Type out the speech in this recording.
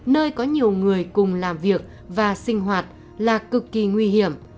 nơi có nhiều người cùng làm việc và sinh hoạt là cực kỳ nguy hiểm